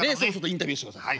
インタビューしてください。